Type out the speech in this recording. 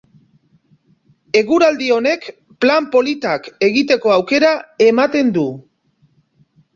Eguraldi honek plan politak egiteko aukera ematen du.